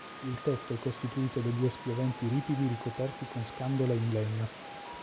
Il tetto è costituito da due spioventi ripidi ricoperti con scandole in legno.